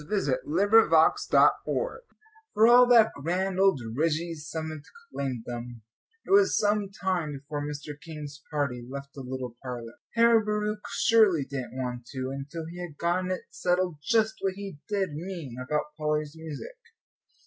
XXI ON THE RIGI KULM For all that grand old Rigi's summit claimed them, it was some time before Mr. King's party left the little parlour. Herr Bauricke surely didn't want to until he had gotten it settled just what he did mean about Polly's music.